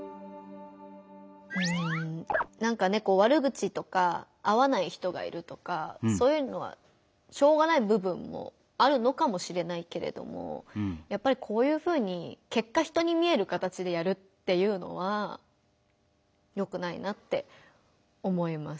うんなんかね悪口とか合わない人がいるとかそういうのはしょうがない部分もあるのかもしれないけれどもやっぱりこういうふうに結果人に見える形でやるっていうのはよくないなって思います。